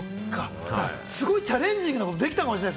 すごいチャレンジングなことができたかもしれない。